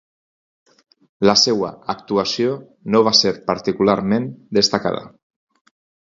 La seva actuació no va ser particularment destacada.